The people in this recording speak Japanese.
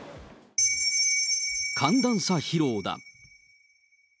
寒暖差疲労だ。